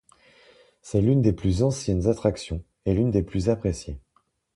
C'est l'une des plus anciennes attractions et l'une des plus appréciées.